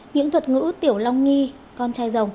những thuật ngữ tiểu long nghi con trai rồng